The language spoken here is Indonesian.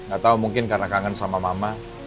gak tau mungkin karena kangen sama mama